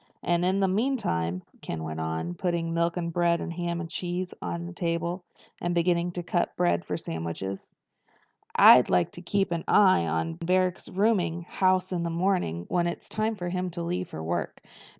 "And in the meantime," Ken went on, putting milk and bread and ham and cheese on the table, and beginning to cut bread for sandwiches, "I'd like to keep an eye on Barrack's rooming house in the morning when it's time for him to leave for work.